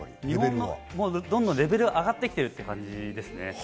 どんどんとレベルが上がってきているという感じですね。